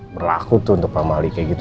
berlaku tuh untuk pamali kayak gitu